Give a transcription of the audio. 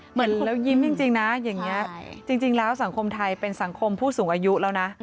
แล้วยิ้มจริงนะอย่างนี้จริงแล้วสังคมไทยเป็นสังคมผู้สูงอายุแล้วนะ